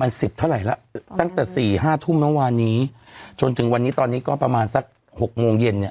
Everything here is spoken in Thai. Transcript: มันสิบเท่าไหร่แล้วตั้งแต่สี่ห้าทุ่มเมื่อวานนี้จนถึงวันนี้ตอนนี้ก็ประมาณสักหกโมงเย็นเนี่ย